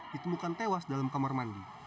ditemukan tewas dalam kamar mandi